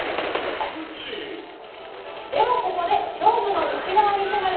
ではここで、勝負の内側に迫る